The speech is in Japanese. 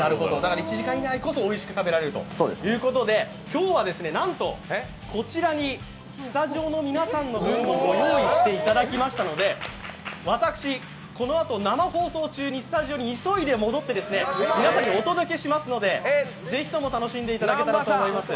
１時間以内こそおいしく食べられるということで、今日はなんとこちらにスタジオの皆さんの分もご用意していただきましたので、私、このあと、生放送中にスタジオに急いで戻って皆さんにお届けしますので是非とも楽しんでいただけたらと思います。